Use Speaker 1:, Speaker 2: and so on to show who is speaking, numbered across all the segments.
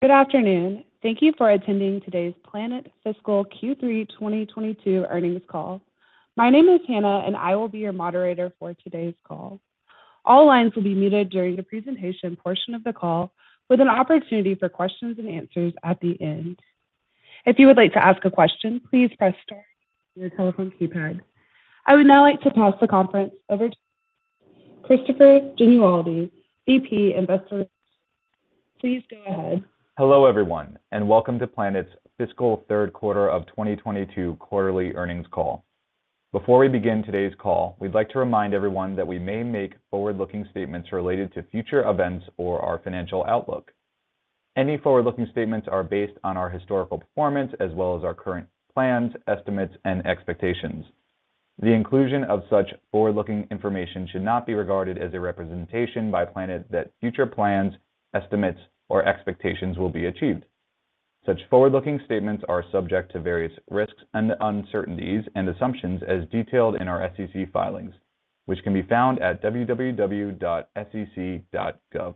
Speaker 1: Good afternoon. Thank you for attending today's Planet Fiscal Q3 2022 Earnings Call. My name is Hannah, and I will be your moderator for today's call. All lines will be muted during the presentation portion of the call, with an opportunity for questions and answers at the end. If you would like to ask a question, please press star on your telephone keypad. I would now like to pass the conference over to Christopher Genualdi, Vice President, Investor Relations. Please go ahead.
Speaker 2: Hello, everyone, and welcome to Planet's Fiscal Third Quarter of 2022 Quarterly Earnings Call. Before we begin today's call, we'd like to remind everyone that we may make forward-looking statements related to future events or our financial outlook. Any forward-looking statements are based on our historical performance as well as our current plans, estimates, and expectations. The inclusion of such forward-looking information should not be regarded as a representation by Planet that future plans, estimates, or expectations will be achieved. Such forward-looking statements are subject to various risks and uncertainties and assumptions as detailed in our SEC filings, which can be found at www.sec.gov.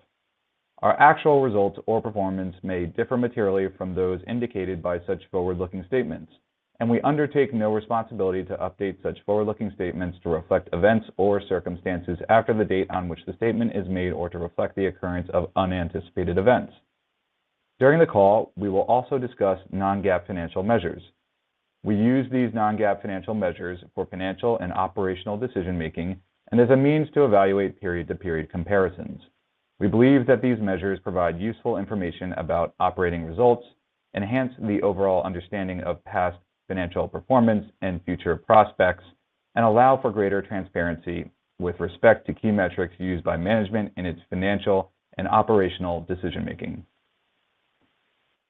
Speaker 2: Our actual results or performance may differ materially from those indicated by such forward-looking statements, and we undertake no responsibility to update such forward-looking statements to reflect events or circumstances after the date on which the statement is made or to reflect the occurrence of unanticipated events. During the call, we will also discuss non-GAAP financial measures. We use these non-GAAP financial measures for financial and operational decision-making and as a means to evaluate period-to-period comparisons. We believe that these measures provide useful information about operating results, enhance the overall understanding of past financial performance and future prospects, and allow for greater transparency with respect to key metrics used by management in its financial and operational decision-making.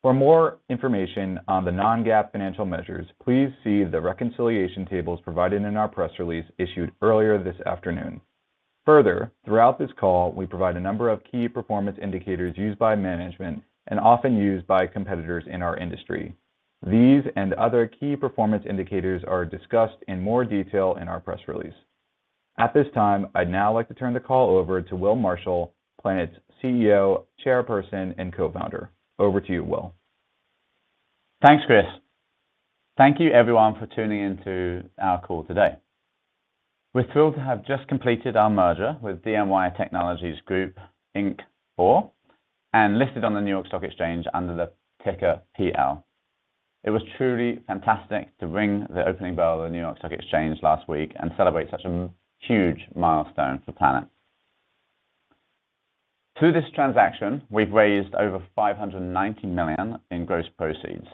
Speaker 2: For more information on the non-GAAP financial measures, please see the reconciliation tables provided in our press release issued earlier this afternoon. Further, throughout this call, we provide a number of key performance indicators used by management and often used by competitors in our industry. These and other key performance indicators are discussed in more detail in our press release. At this time, I'd now like to turn the call over to Will Marshall, Planet's CEO, Chairperson, and Co-Founder. Over to you, Will.
Speaker 3: Thanks, Chris. Thank you everyone for tuning into our call today. We're thrilled to have just completed our merger with dMY Technology Group, Inc. IV, and listed on the New York Stock Exchange under the ticker PL. It was truly fantastic to ring the opening bell of the New York Stock Exchange last week and celebrate such a huge milestone for Planet. Through this transaction, we've raised over $590 million in gross proceeds.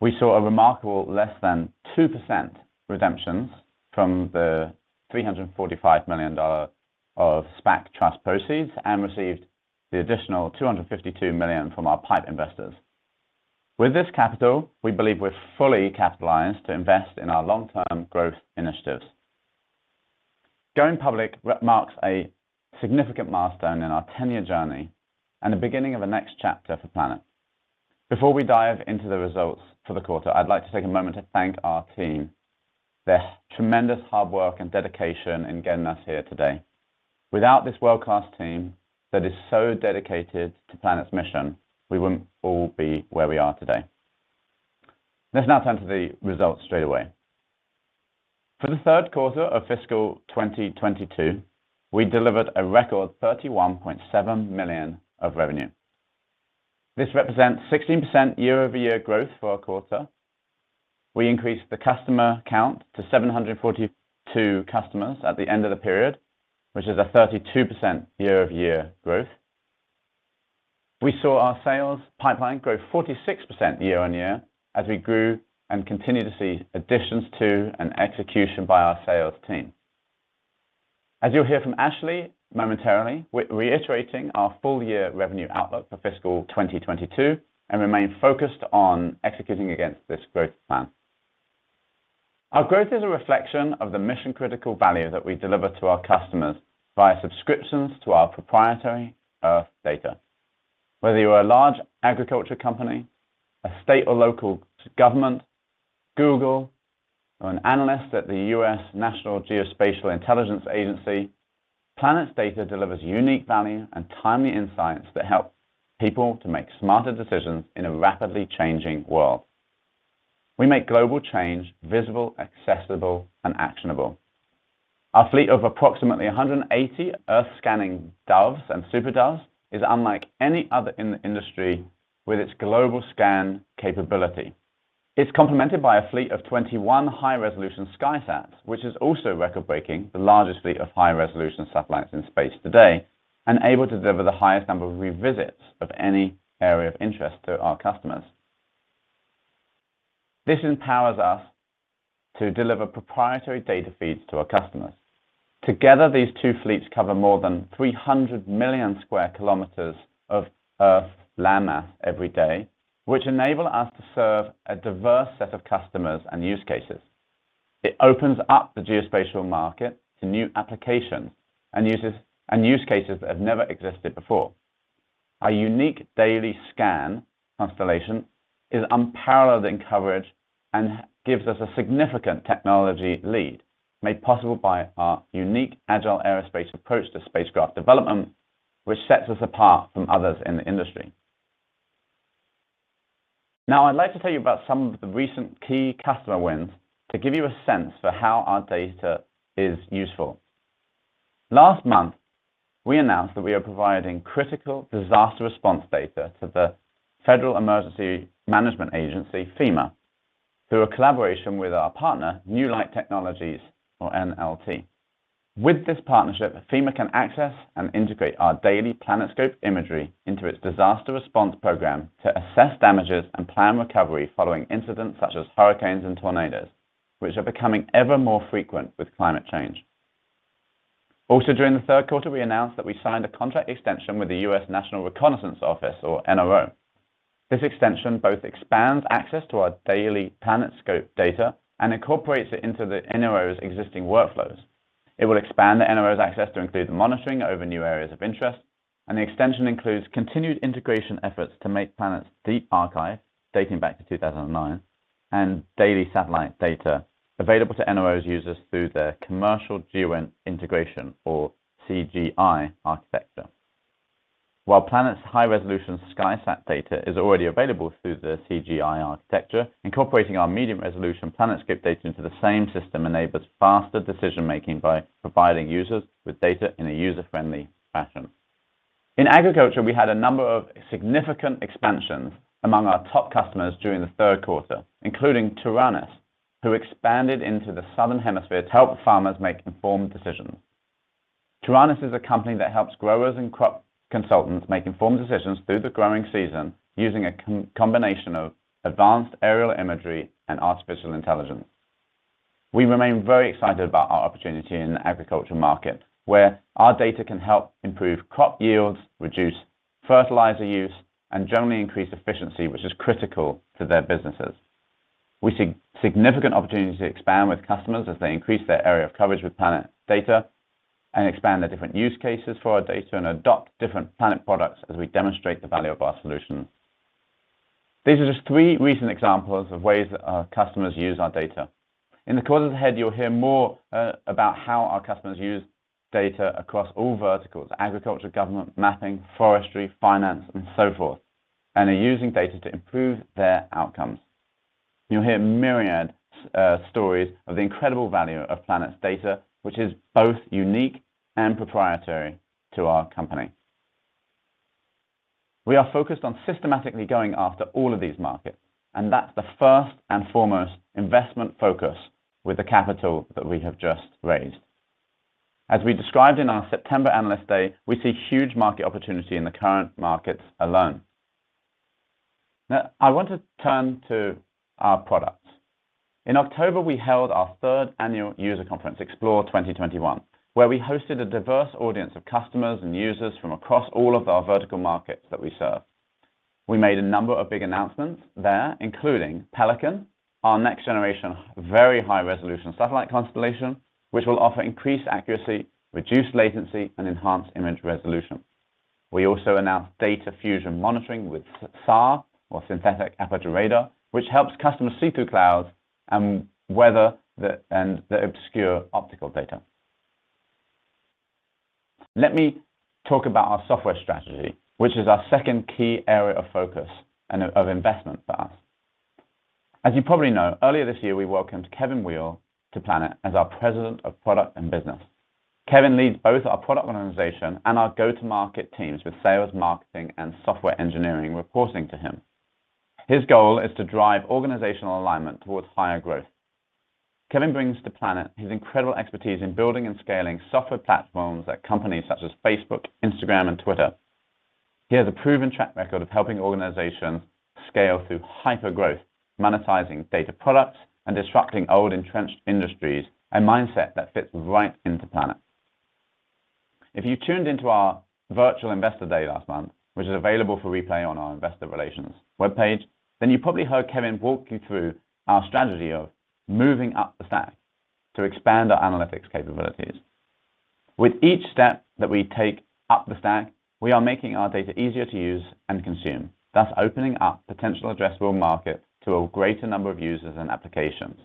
Speaker 3: We saw a remarkable less than 2% redemptions from the $345 million of SPAC trust proceeds and received the additional $252 million from our pipe investors. With this capital, we believe we're fully capitalized to invest in our long-term growth initiatives. Going public marks a significant milestone in our 10-year journey and the beginning of the next chapter for Planet. Before we dive into the results for the quarter, I'd like to take a moment to thank our team for their tremendous hard work and dedication in getting us here today. Without this world-class team that is so dedicated to Planet's mission, we wouldn't all be where we are today. Let's now turn to the results straight away. For the third quarter of fiscal 2022, we delivered a record $31.7 million of revenue. This represents 16% year-over-year growth for our quarter. We increased the customer count to 742 customers at the end of the period, which is a 32% year-over-year growth. We saw our sales pipeline grow 46% year-over-year as we grew and continue to see additions to and execution by our sales team. As you'll hear from Ashley momentarily, we're reiterating our full year revenue outlook for fiscal 2022 and remain focused on executing against this growth plan. Our growth is a reflection of the mission-critical value that we deliver to our customers via subscriptions to our proprietary Earth data. Whether you're a large agriculture company, a state or local government, Google, or an analyst at the U.S. National Geospatial-Intelligence Agency, Planet's data delivers unique value and timely insights that help people to make smarter decisions in a rapidly changing world. We make global change visible, accessible, and actionable. Our fleet of approximately 180 Earth-scanning Doves and SuperDoves is unlike any other in the industry with its global scan capability. It's complemented by a fleet of 21 high-resolution SkySats, which is also record-breaking, the largest fleet of high-resolution satellites in space today, and able to deliver the highest number of revisits of any area of interest to our customers. This empowers us to deliver proprietary data feeds to our customers. Together, these two fleets cover more than 300 million sq km of Earth's landmass every day, which enable us to serve a diverse set of customers and use cases. It opens up the geospatial market to new applications and uses, and use cases that have never existed before. Our unique daily scan constellation is unparalleled in coverage and gives us a significant technology lead, made possible by our unique agile aerospace approach to spacecraft development, which sets us apart from others in the industry. Now, I'd like to tell you about some of the recent key customer wins to give you a sense for how our data is useful. Last month, we announced that we are providing critical disaster response data to the Federal Emergency Management Agency, FEMA, through a collaboration with our partner, New Light Technologies, or NLT. With this partnership, FEMA can access and integrate our daily PlanetScope imagery into its disaster response program to assess damages and plan recovery following incidents such as hurricanes and tornadoes, which are becoming ever more frequent with climate change. Also during the third quarter, we announced that we signed a contract extension with the U.S. National Reconnaissance Office, or NRO. This extension both expands access to our daily PlanetScope data and incorporates it into the NRO's existing workflows. It will expand the NRO's access to include monitoring over new areas of interest, and the extension includes continued integration efforts to make Planet's deep archive, dating back to 2009, and daily satellite data available to NRO's users through their Commercial GEOINT Integration, or CGI architecture. While Planet's high-resolution SkySat data is already available through the CGI architecture, incorporating our medium-resolution PlanetScope data into the same system enables faster decision-making by providing users with data in a user-friendly fashion. In agriculture, we had a number of significant expansions among our top customers during the third quarter, including Taranis, who expanded into the southern hemisphere to help farmers make informed decisions. Taranis is a company that helps growers and crop consultants make informed decisions through the growing season using a combination of advanced aerial imagery and artificial intelligence. We remain very excited about our opportunity in the agriculture market, where our data can help improve crop yields, reduce fertilizer use, and generally increase efficiency, which is critical to their businesses. We see significant opportunities to expand with customers as they increase their area of coverage with Planet data and expand the different use cases for our data and adopt different Planet products as we demonstrate the value of our solutions. These are just three recent examples of ways that our customers use our data. In the quarters ahead, you'll hear more about how our customers use data across all verticals, agriculture, government, mapping, forestry, finance, and so forth, and are using data to improve their outcomes. You'll hear myriad stories of the incredible value of Planet's data, which is both unique and proprietary to our company. We are focused on systematically going after all of these markets, and that's the first and foremost investment focus with the capital that we have just raised. As we described in our September Analyst Day, we see huge market opportunity in the current markets alone. Now, I want to turn to our products. In October, we held our third annual user conference, Explore 2021, where we hosted a diverse audience of customers and users from across all of our vertical markets that we serve. We made a number of big announcements there, including Pelican, our next-generation very high-resolution satellite constellation, which will offer increased accuracy, reduced latency, and enhanced image resolution. We also announced data fusion monitoring with SAR, or synthetic aperture radar, which helps customers see through clouds and weather that obscure optical data. Let me talk about our software strategy, which is our second key area of focus and of investment for us. As you probably know, earlier this year, we welcomed Kevin Weil to Planet as our President of Product and Business. Kevin leads both our product organization and our go-to-market teams with sales, marketing, and software engineering reporting to him. His goal is to drive organizational alignment towards higher growth. Kevin brings to Planet his incredible expertise in building and scaling software platforms at companies such as Facebook, Instagram, and Twitter. He has a proven track record of helping organizations scale through hyper-growth, monetizing data products, and disrupting old, entrenched industries, a mindset that fits right into Planet. If you tuned into our virtual Investor Day last month, which is available for replay on our Investor Relations webpage, then you probably heard Kevin walk you through our strategy of moving up the stack to expand our analytics capabilities. With each step that we take up the stack, we are making our data easier to use and consume, thus opening up potential addressable market to a greater number of users and applications.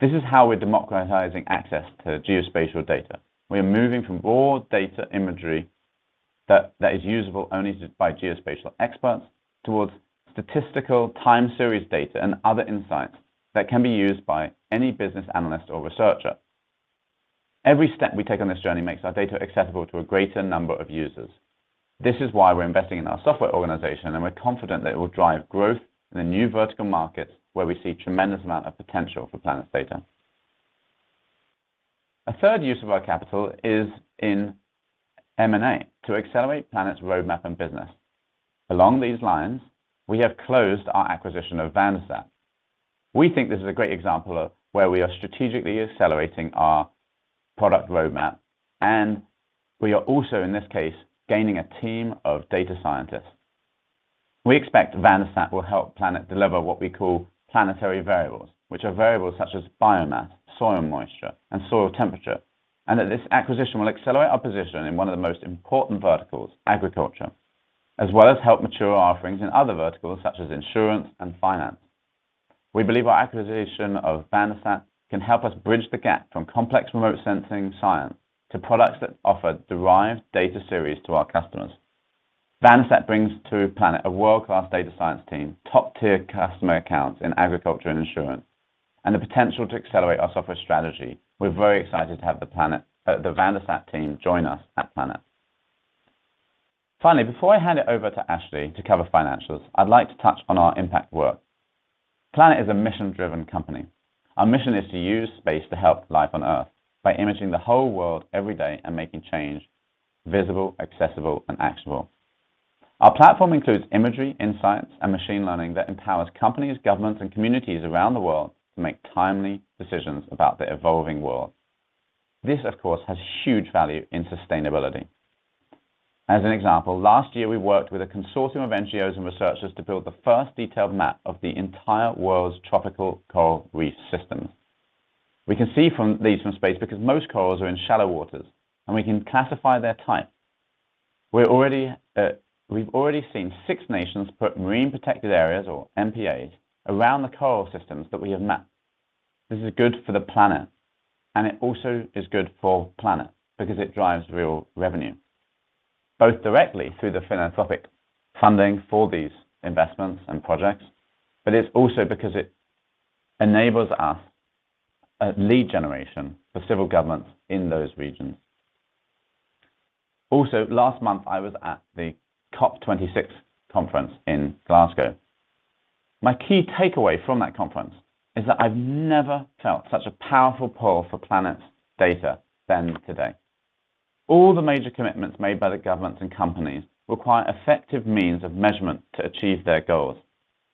Speaker 3: This is how we're democratizing access to geospatial data. We are moving from raw data imagery that is usable only by geospatial experts towards statistical time series data and other insights that can be used by any business analyst or researcher. Every step we take on this journey makes our data accessible to a greater number of users. This is why we're investing in our software organization, and we're confident that it will drive growth in the new vertical markets where we see a tremendous amount of potential for Planet's data. A third use of our capital is in M&A to accelerate Planet's roadmap and business. Along these lines, we have closed our acquisition of VanderSat. We think this is a great example of where we are strategically accelerating our product roadmap, and we are also, in this case, gaining a team of data scientists. We expect VanderSat will help Planet deliver what we call Planetary Variables, which are variables such as biomass, soil moisture, and soil temperature, and that this acquisition will accelerate our position in one of the most important verticals, agriculture, as well as help mature our offerings in other verticals, such as insurance and finance. We believe our acquisition of VanderSat can help us bridge the gap from complex remote sensing science to products that offer derived data series to our customers. VanderSat brings to Planet a world-class data science team, top-tier customer accounts in agriculture and insurance, and the potential to accelerate our software strategy. We're very excited to have the VanderSat team join us at Planet. Finally, before I hand it over to Ashley to cover financials, I'd like to touch on our impact work. Planet is a mission-driven company. Our mission is to use space to help life on Earth by imaging the whole world every day and making change visible, accessible, and actionable. Our platform includes imagery, insights, and machine learning that empowers companies, governments, and communities around the world to make timely decisions about their evolving world. This, of course, has huge value in sustainability. As an example, last year, we worked with a consortium of NGOs and researchers to build the first detailed map of the entire world's tropical coral reef systems. We can see these from space because most corals are in shallow waters, and we can classify their type. We've already seen six nations put marine protected areas, or MPAs, around the coral systems that we have mapped. This is good for the planet, and it also is good for Planet because it drives real revenue, both directly through the philanthropic funding for these investments and projects, but it's also because it enables us a lead generation for civil governments in those regions. Also, last month, I was at the COP26 conference in Glasgow. My key takeaway from that conference is that I've never felt such a powerful pull for Planet's data than today. All the major commitments made by the governments and companies require effective means of measurement to achieve their goals.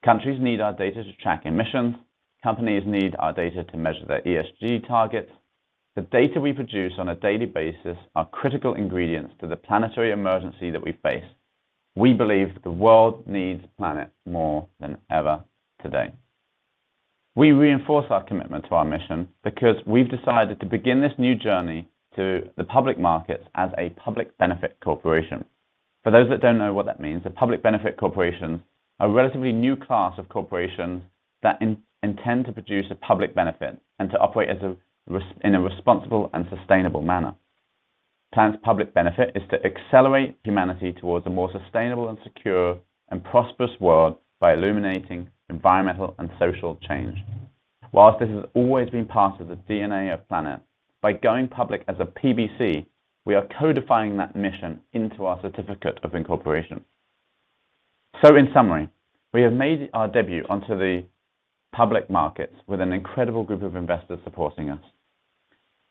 Speaker 3: Countries need our data to track emissions. Companies need our data to measure their ESG targets. The data we produce on a daily basis are critical ingredients to the planetary emergency that we face. We believe the world needs Planet more than ever today. We reinforce our commitment to our mission because we've decided to begin this new journey to the public markets as a public benefit corporation. For those that don't know what that means, a public benefit corporation are a relatively new class of corporation that intend to produce a public benefit and to operate in a responsible and sustainable manner. Planet's public benefit is to accelerate humanity towards a more sustainable and secure and prosperous world by illuminating environmental and social change. While this has always been part of the DNA of Planet, by going public as a PBC, we are codifying that mission into our certificate of incorporation. In summary, we have made our debut onto the public markets with an incredible group of investors supporting us.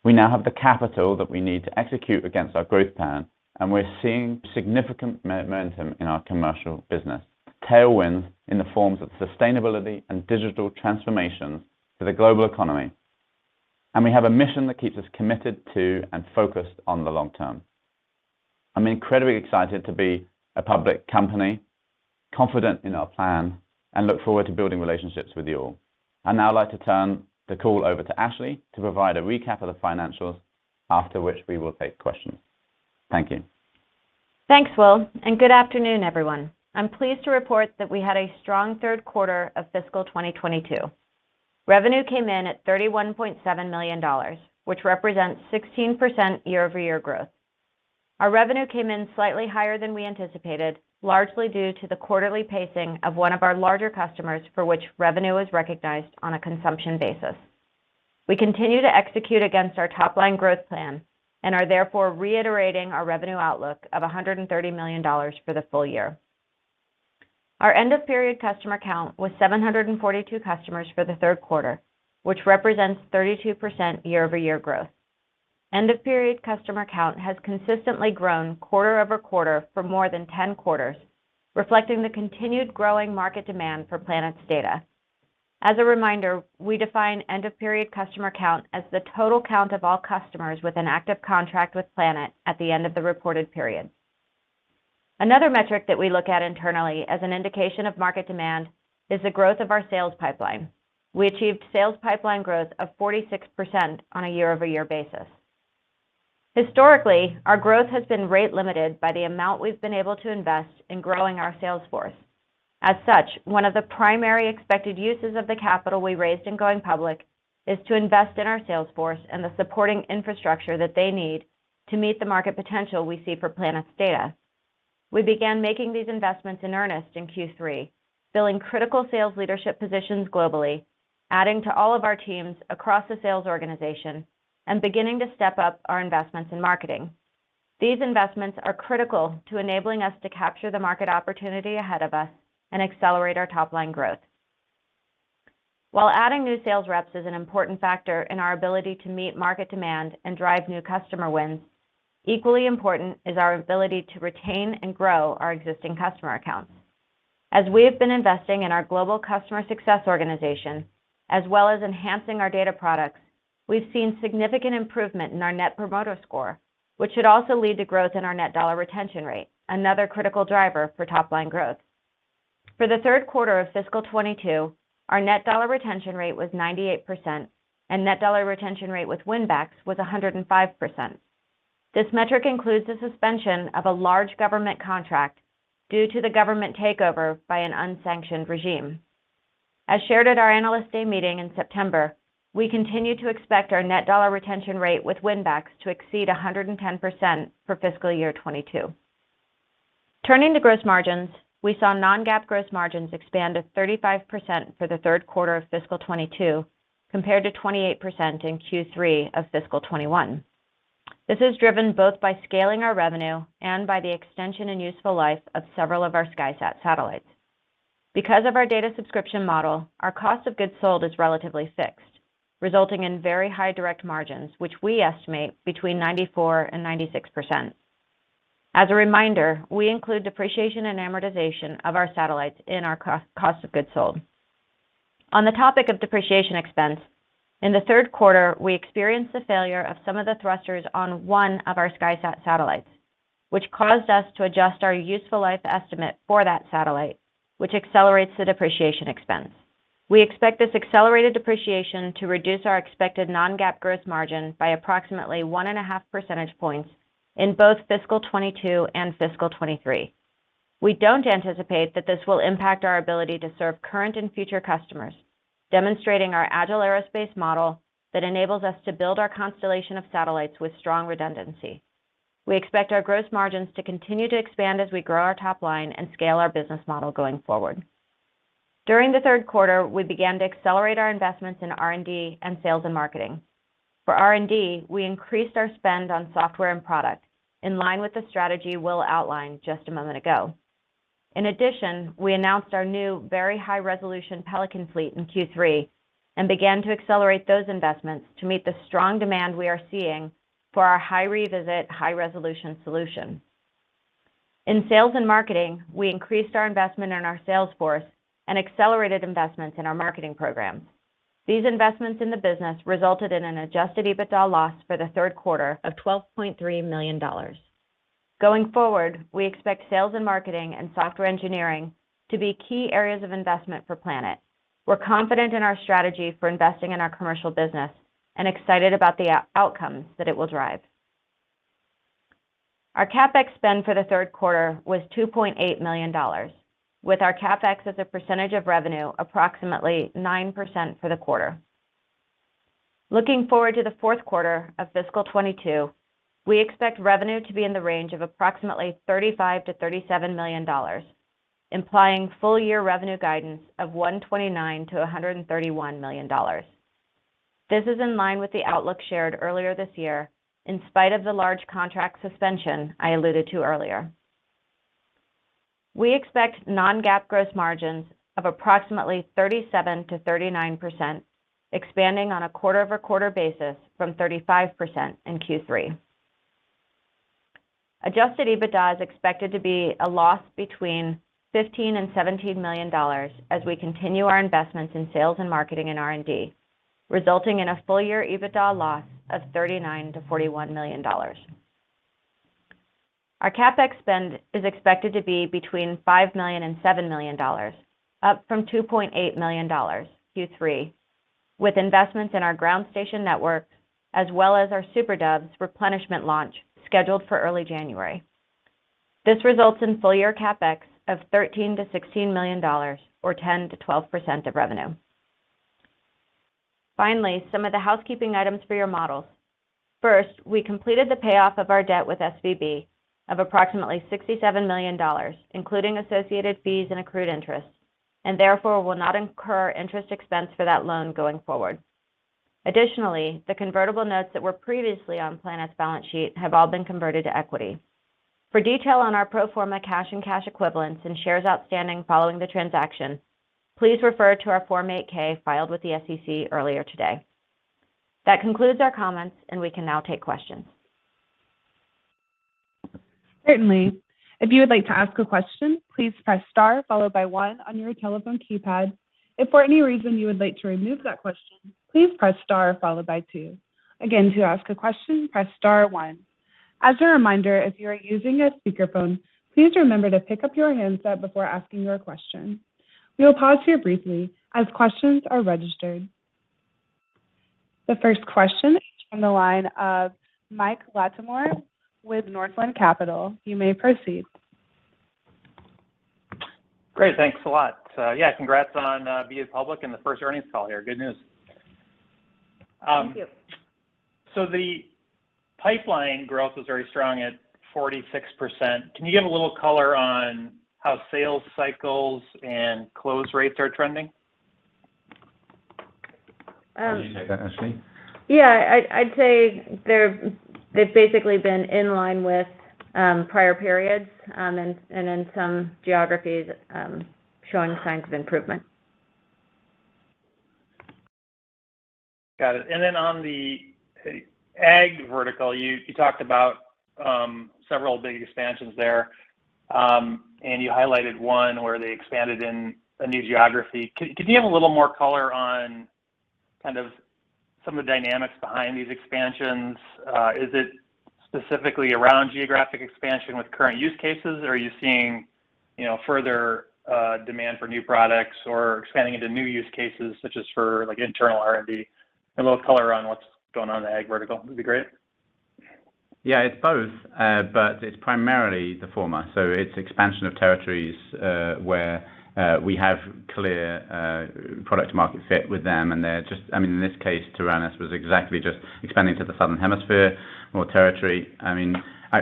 Speaker 3: We now have the capital that we need to execute against our growth plan, and we're seeing significant momentum in our commercial business, tailwinds in the forms of sustainability and digital transformation to the global economy, and we have a mission that keeps us committed to and focused on the long term. I'm incredibly excited to be a public company, confident in our plan, and look forward to building relationships with you all. I'd now like to turn the call over to Ashley to provide a recap of the financials, after which we will take questions. Thank you.
Speaker 4: Thanks, Will, and good afternoon, everyone. I'm pleased to report that we had a strong third quarter of fiscal 2022. Revenue came in at $31.7 million, which represents 16% year-over-year growth. Our revenue came in slightly higher than we anticipated, largely due to the quarterly pacing of one of our larger customers for which revenue is recognized on a consumption basis. We continue to execute against our top-line growth plan and are therefore reiterating our revenue outlook of $130 million for the full year. Our end-of-period customer count was 742 customers for the third quarter, which represents 32% year-over-year growth. End-of-period customer count has consistently grown quarter-over-quarter for more than 10 quarters, reflecting the continued growing market demand for Planet's data. As a reminder, we define end-of-period customer count as the total count of all customers with an active contract with Planet at the end of the reported period. Another metric that we look at internally as an indication of market demand is the growth of our sales pipeline. We achieved sales pipeline growth of 46% on a year-over-year basis. Historically, our growth has been rate limited by the amount we've been able to invest in growing our sales force. As such, one of the primary expected uses of the capital we raised in going public is to invest in our sales force and the supporting infrastructure that they need to meet the market potential we see for Planet's data. We began making these investments in earnest in Q3, filling critical sales leadership positions globally, adding to all of our teams across the sales organization, and beginning to step up our investments in marketing. These investments are critical to enabling us to capture the market opportunity ahead of us and accelerate our top-line growth. While adding new sales reps is an important factor in our ability to meet market demand and drive new customer wins, equally important is our ability to retain and grow our existing customer accounts. As we have been investing in our global customer success organization as well as enhancing our data products, we've seen significant improvement in our net promoter score, which should also lead to growth in our net dollar retention rate, another critical driver for top-line growth. For the third quarter of fiscal 2022, our net dollar retention rate was 98% and net dollar retention rate with win backs was 105%. This metric includes the suspension of a large government contract due to the government takeover by an unsanctioned regime. As shared at our Analyst Day meeting in September, we continue to expect our net dollar retention rate with win backs to exceed 110% for fiscal year 2022. Turning to gross margins, we saw non-GAAP gross margins expand to 35% for the third quarter of fiscal 2022 compared to 28% in Q3 of fiscal 2021. This is driven both by scaling our revenue and by the extension and useful life of several of our SkySat satellites. Because of our data subscription model, our cost of goods sold is relatively fixed, resulting in very high direct margins, which we estimate between 94% and 96%. As a reminder, we include depreciation and amortization of our satellites in our cost of goods sold. On the topic of depreciation expense, in the third quarter, we experienced the failure of some of the thrusters on one of our SkySat satellites, which caused us to adjust our useful life estimate for that satellite, which accelerates the depreciation expense. We expect this accelerated depreciation to reduce our expected non-GAAP gross margin by approximately 1.5 percentage points in both fiscal 2022 and fiscal 2023. We don't anticipate that this will impact our ability to serve current and future customers, demonstrating our agile aerospace model that enables us to build our constellation of satellites with strong redundancy. We expect our gross margins to continue to expand as we grow our top line and scale our business model going forward. During the third quarter, we began to accelerate our investments in R&D and sales and marketing. For R&D, we increased our spend on software and product in line with the strategy Will outlined just a moment ago. In addition, we announced our new very high-resolution Pelican fleet in Q3 and began to accelerate those investments to meet the strong demand we are seeing for our high-revisit, high-resolution solution. In sales and marketing, we increased our investment in our sales force and accelerated investments in our marketing programs. These investments in the business resulted in an Adjusted EBITDA loss for the third quarter of $12.3 million. Going forward, we expect sales and marketing and software engineering to be key areas of investment for Planet. We're confident in our strategy for investing in our commercial business and excited about the outcomes that it will drive. Our CapEx spend for the third quarter was $2.8 million, with our CapEx as a percentage of revenue approximately 9% for the quarter. Looking forward to the fourth quarter of fiscal 2022, we expect revenue to be in the range of approximately $35 million-$37 million, implying full year revenue guidance of $129 million-$131 million. This is in line with the outlook shared earlier this year, in spite of the large contract suspension I alluded to earlier. We expect non-GAAP gross margins of approximately 37%-39%, expanding on a quarter-over-quarter basis from 35% in Q3. Adjusted EBITDA is expected to be a loss between $15 million and $17 million as we continue our investments in sales and marketing and R&D, resulting in a full year EBITDA loss of $39 million-$41 million. Our CapEx spend is expected to be between $5 million and $7 million, up from $2.8 million Q3, with investments in our ground station network as well as our SuperDoves replenishment launch scheduled for early January. This results in full year CapEx of $13 million-$16 million or 10%-12% of revenue. Finally, some of the housekeeping items for your models. First, we completed the payoff of our debt with SVB of approximately $67 million, including associated fees and accrued interest, and therefore will not incur interest expense for that loan going forward. Additionally, the convertible notes that were previously on Planet's balance sheet have all been converted to equity. For detail on our pro forma cash and cash equivalents and shares outstanding following the transaction, please refer to our Form 8-K filed with the SEC earlier today. That concludes our comments, and we can now take questions.
Speaker 1: Certainly. If you would like to ask a question, please press star followed by 1 on your telephone keypad. If for any reason you would like to remove that question, please press star followed by 2. Again, to ask a question, press star 1. As a reminder, if you are using a speakerphone, please remember to pick up your handset before asking your question. We will pause here briefly as questions are registered. The first question is from the line of Mike Latimore with Northland Capital Markets. You may proceed.
Speaker 5: Great. Thanks a lot. Yeah, congrats on being public and the first earnings call here. Good news.
Speaker 4: Thank you.
Speaker 5: The pipeline growth was very strong at 46%. Can you give a little color on how sales cycles and close rates are trending?
Speaker 4: Um-
Speaker 3: Why don't you take that, Ashley?
Speaker 4: Yeah. I'd say they've basically been in line with prior periods, in some geographies showing signs of improvement.
Speaker 5: Got it. Then on the ag vertical, you talked about several big expansions there. You highlighted one where they expanded in a new geography. Could you give a little more color on kind of some of the dynamics behind these expansions. Is it specifically around geographic expansion with current use cases, or are you seeing, you know, further demand for new products or expanding into new use cases such as for, like, internal R&D? A little color on what's going on in the ag vertical would be great.
Speaker 3: Yeah, it's both, but it's primarily the former. It's expansion of territories, where we have clear product market fit with them, and they're just, I mean, in this case, Taranis was exactly just expanding to the southern hemisphere, more territory. I mean,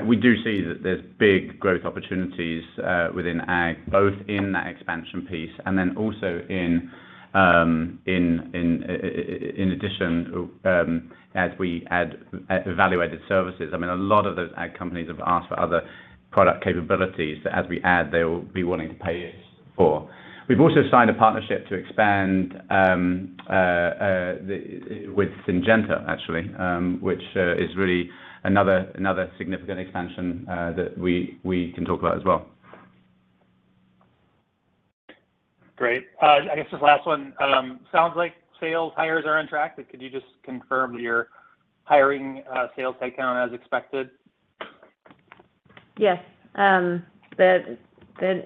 Speaker 3: we do see that there's big growth opportunities, within ag, both in that expansion piece and then also in addition, as we add value-added services. I mean, a lot of those ag companies have asked for other product capabilities that as we add, they will be wanting to pay us for. We've also signed a partnership to expand with Syngenta, actually, which is really another significant expansion, that we can talk about as well.
Speaker 5: Great. I guess just last one. Sounds like sales hires are on track, but could you just confirm that you're hiring, sales headcount as expected?
Speaker 4: Yes. The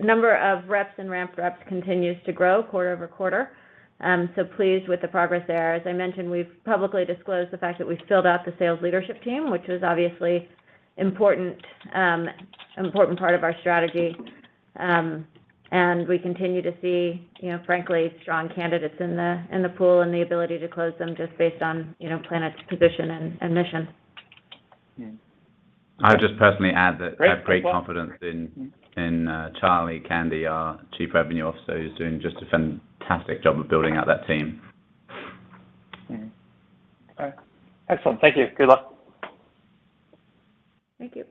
Speaker 4: number of reps and ramped reps continues to grow quarter over quarter. I'm so pleased with the progress there. As I mentioned, we've publicly disclosed the fact that we filled out the sales leadership team, which was obviously important part of our strategy. We continue to see, you know, frankly, strong candidates in the pool and the ability to close them just based on, you know, Planet's position and mission.
Speaker 3: Yeah. I'll just personally add that -
Speaker 5: Great. Thanks a lot....
Speaker 3: I have great confidence in Charlie Candy, our Chief Revenue Officer, who's doing just a fantastic job of building out that team.
Speaker 5: Mm-hmm. All right. Excellent. Thank you. Good luck.
Speaker 4: Thank you.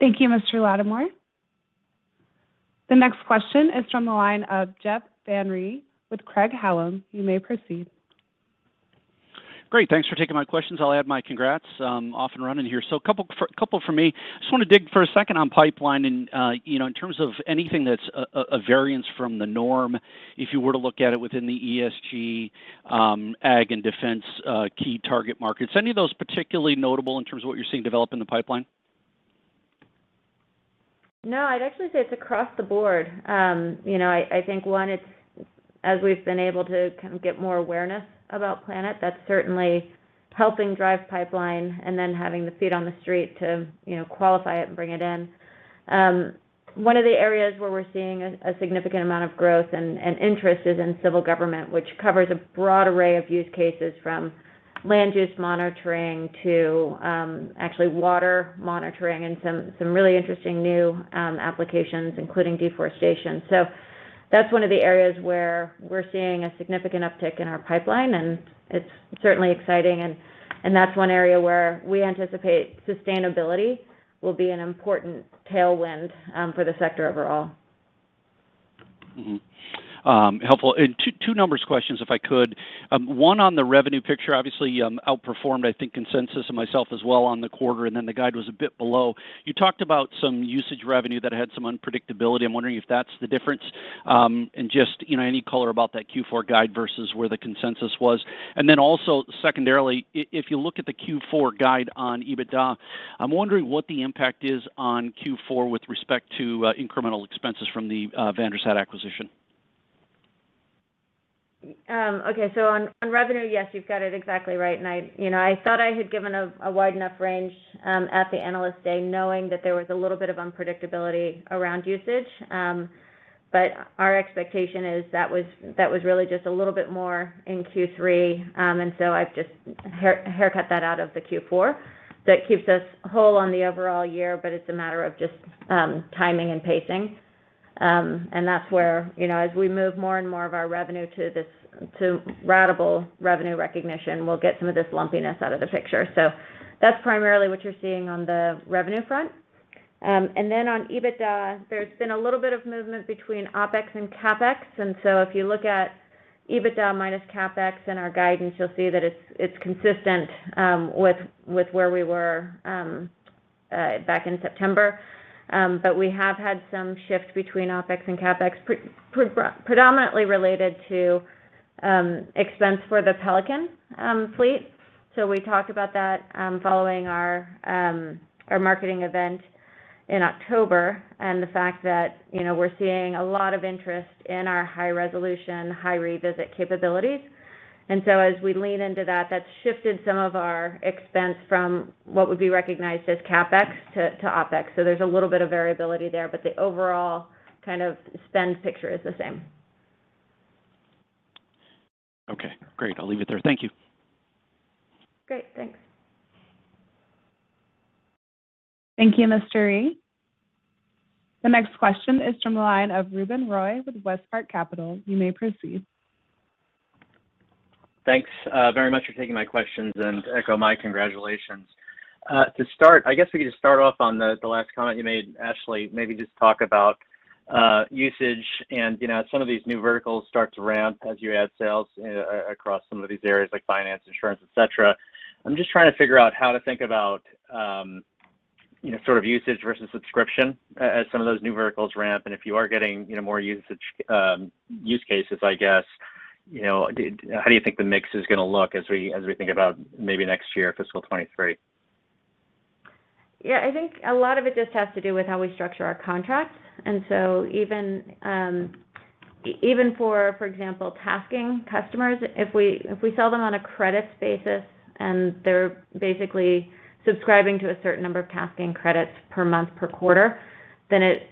Speaker 1: Thank you, Mr. Latimore. The next question is from the line of Jeff Van Rhee with Craig-Hallum. You may proceed.
Speaker 6: Great. Thanks for taking my questions. I'll add my congrats, off and running here. A couple from me. Just wanna dig for a second on pipeline and, you know, in terms of anything that's a variance from the norm, if you were to look at it within the ESG, ag and defense, key target markets. Any of those particularly notable in terms of what you're seeing develop in the pipeline?
Speaker 4: No, I'd actually say it's across the board. You know, I think, one, it's as we've been able to kind of get more awareness about Planet, that's certainly helping drive pipeline and then having the feet on the street to, you know, qualify it and bring it in. One of the areas where we're seeing a significant amount of growth and interest is in civil government, which covers a broad array of use cases from land use monitoring to actually water monitoring and some really interesting new applications, including deforestation. That's one of the areas where we're seeing a significant uptick in our pipeline, and it's certainly exciting and that's one area where we anticipate sustainability will be an important tailwind for the sector overall.
Speaker 6: Helpful. Two number questions, if I could. One on the revenue picture, obviously outperformed, I think, consensus and myself as well on the quarter, and then the guide was a bit below. You talked about some usage revenue that had some unpredictability. I'm wondering if that's the difference. Just, you know, any color about that Q4 guide versus where the consensus was. Also secondarily, if you look at the Q4 guide on EBITDA, I'm wondering what the impact is on Q4 with respect to incremental expenses from the VanderSat acquisition.
Speaker 4: Okay. On revenue, yes, you've got it exactly right. I, you know, I thought I had given a wide enough range at the Analyst Day knowing that there was a little bit of unpredictability around usage. Our expectation is that was really just a little bit more in Q3. I've just haircut that out of the Q4. That keeps us whole on the overall year, but it's a matter of just, timing and pacing. That's where, you know, as we move more and more of our revenue to this, to ratable revenue recognition, we'll get some of this lumpiness out of the picture. That's primarily what you're seeing on the revenue front. On EBITDA, there's been a little bit of movement between OpEx and CapEx. If you look at EBITDA minus CapEx in our guidance, you'll see that it's consistent with where we were back in September. But we have had some shift between OpEx and CapEx predominantly related to expense for the Pelican fleet. We talked about that following our marketing event in October and the fact that, you know, we're seeing a lot of interest in our high-resolution, high-revisit capabilities. As we lean into that's shifted some of our expense from what would be recognized as CapEx to OpEx. There's a little bit of variability there, but the overall kind of spend picture is the same.
Speaker 6: Okay. Great. I'll leave it there. Thank you.
Speaker 4: Great. Thanks.
Speaker 1: Thank you, Mr. Van Rhee. The next question is from the line of Ruben Roy with WestPark Capital. You may proceed.
Speaker 7: Thanks, very much for taking my questions and echo my congratulations. To start, I guess we could just start off on the last comment you made, Ashley. Maybe just talk about usage and, you know, some of these new verticals start to ramp as you add sales across some of these areas like finance, insurance, et cetera. I'm just trying to figure out how to think about. You know, sort of usage versus subscription as some of those new verticals ramp. If you are getting, you know, more usage, use cases, I guess, you know, how do you think the mix is going to look as we think about maybe next year, fiscal 2023?
Speaker 4: Yeah, I think a lot of it just has to do with how we structure our contracts. Even, for example, tasking customers, if we sell them on a credits basis and they're basically subscribing to a certain number of tasking credits per month, per quarter, then it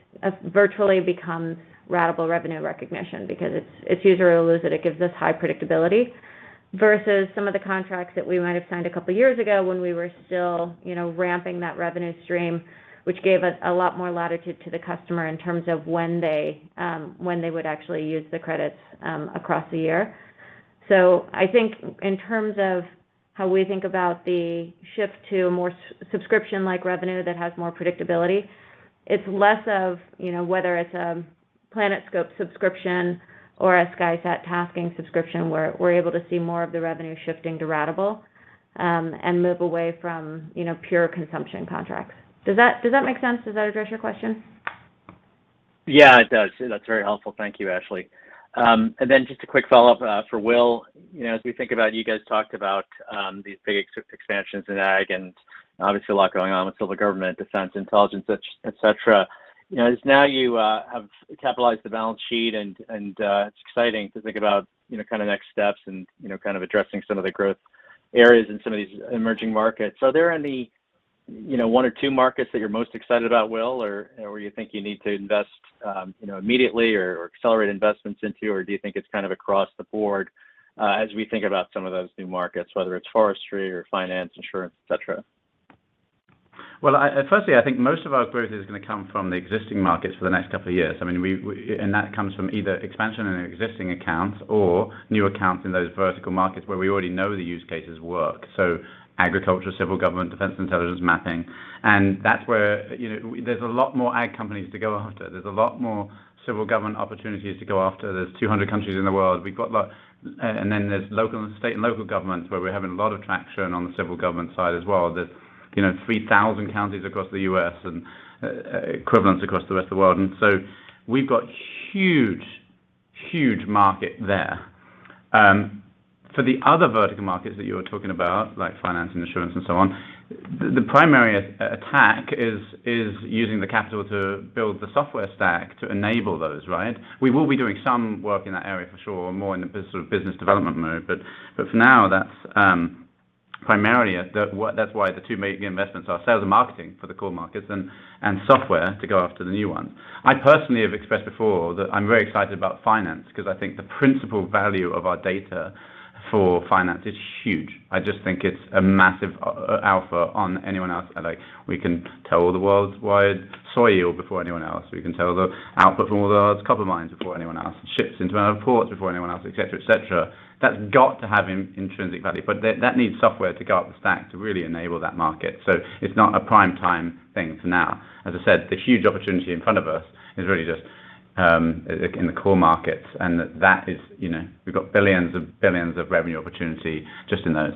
Speaker 4: virtually becomes ratable revenue recognition because it's use or lose it. It gives us high predictability versus some of the contracts that we might've signed a couple of years ago when we were still, you know, ramping that revenue stream, which gave us a lot more latitude to the customer in terms of when they would actually use the credits across the year. I think in terms of how we think about the shift to a more subscription-like revenue that has more predictability, it's less of, you know, whether it's a PlanetScope subscription or a SkySat tasking subscription where we're able to see more of the revenue shifting to ratable, and move away from, you know, pure consumption contracts. Does that make sense? Does that address your question?
Speaker 7: Yeah, it does. That's very helpful. Thank you, Ashley. And then just a quick follow-up for Will. You know, as we think about, you guys talked about these big expansions in ag and obviously a lot going on with civil government, defense, intelligence, et cetera. You know, as now you have capitalized the balance sheet and it's exciting to think about, you know, kind of next steps and, you know, kind of addressing some of the growth areas in some of these emerging markets. Are there any, you know, one or two markets that you're most excited about, Will, or you think you need to invest, you know, immediately or accelerate investments into? Or do you think it's kind of across the board as we think about some of those new markets, whether it's forestry or finance, insurance, et cetera?
Speaker 3: Well, firstly, I think most of our growth is going to come from the existing markets for the next couple of years. I mean, that comes from either expansion in existing accounts or new accounts in those vertical markets where we already know the use cases work. Agriculture, civil government, defense, intelligence, mapping. That's where, you know, there's a lot more ag companies to go after. There's a lot more civil government opportunities to go after. There's 200 countries in the world. We've got then there's local and state and local governments where we're having a lot of traction on the civil government side as well. There's, you know, 3,000 counties across the U.S. and equivalents across the rest of the world. We've got huge market there. For the other vertical markets that you were talking about, like finance and insurance and so on, the primary attack is using the capital to build the software stack to enable those, right? We will be doing some work in that area for sure, more in the business sort of business development mode. For now, that's primarily why the two main investments are sales and marketing for the core markets and software to go after the new ones. I personally have expressed before that I'm very excited about finance because I think the principal value of our data for finance is huge. I just think it's a massive alpha on anyone else. Like, we can tell the worldwide soil before anyone else. We can tell the output from all the world's copper mines before anyone else, ships into our ports before anyone else, et cetera, et cetera. That's got to have intrinsic value. That needs software to go up the stack to really enable that market. It's not a prime time thing for now. As I said, the huge opportunity in front of us is really just in the core markets. That is, you know, we've got billions of billions of revenue opportunity just in those.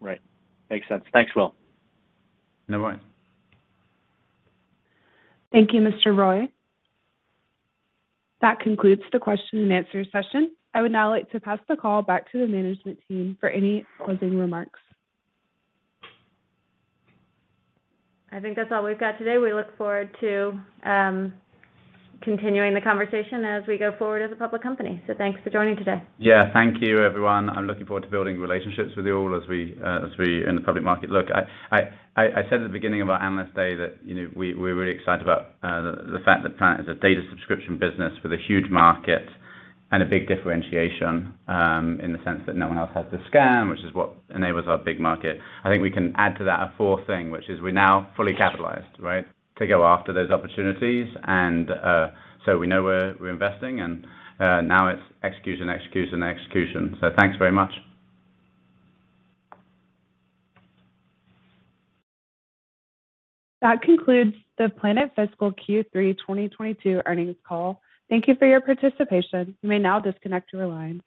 Speaker 7: Right. Makes sense. Thanks, Will.
Speaker 3: No worries.
Speaker 1: Thank you, Mr. Roy. That concludes the question and answer session. I would now like to pass the call back to the management team for any closing remarks.
Speaker 4: I think that's all we've got today. We look forward to continuing the conversation as we go forward as a public company. Thanks for joining today.
Speaker 3: Yeah. Thank you, everyone. I'm looking forward to building relationships with you all as we in the public market. Look, I said at the beginning of our Analyst Day that, you know, we're really excited about the fact that Planet is a data subscription business with a huge market and a big differentiation in the sense that no one else has the scan, which is what enables our big market. I think we can add to that a fourth thing, which is we're now fully capitalized, right? To go after those opportunities. We know where we're investing and now it's execution. Thanks very much.
Speaker 1: That concludes the Planet Fiscal Q3 2022 Earnings Call. Thank you for your participation. You may now disconnect your lines.